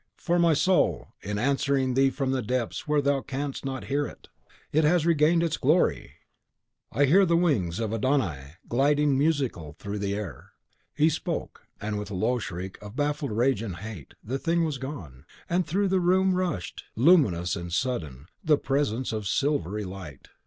for my soul, in answering thee from depths where thou canst not hear it, has regained its glory; and I hear the wings of Adon Ai gliding musical through the air." He spoke; and, with a low shriek of baffled rage and hate, the Thing was gone, and through the room rushed, luminous and sudden, the Presence of silvery light.